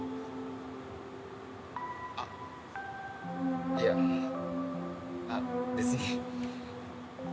あっいやあっ別に。